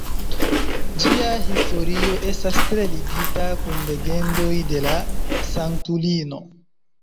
Ĝia historio estas tre ligita kun legendoj de la sanktulino.